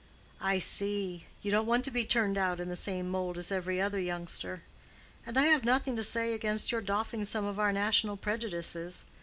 "I see; you don't want to be turned out in the same mould as every other youngster. And I have nothing to say against your doffing some of our national prejudices.